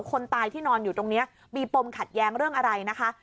คนตายที่นอนอยู่ตรงนี้มีปมขัดแย้งเรื่องอะไรนะคะ